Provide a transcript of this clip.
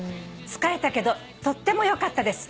「疲れたけどとってもよかったです」